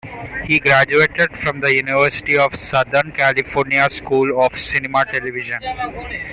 He graduated from the University of Southern California's School of Cinema-Television.